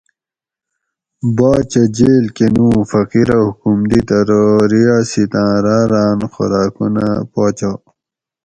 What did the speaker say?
باچہ جیل کہ نُو فقیرہ حکم دِیت ارو ریاسیتاں ران راۤن خوراکونہ پاچا